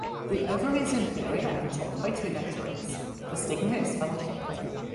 The ovary is inferior and topped by two nectaries, the stigma is funnel-shaped.